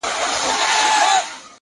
هغې په نيمه شپه ډېـــــوې بلــــي كړې ـ